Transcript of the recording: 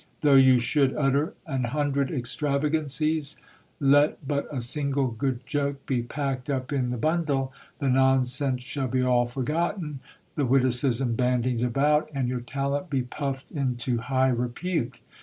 Though you should utter an hundred extravagancies, let but a single good joke be packed up in the bundle, the nonsense shall be all forgotten, the witticism bandied about, and your talent be puffed into high repute.